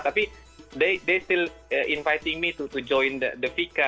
tapi mereka masih mengundang saya untuk bergabung dengan fika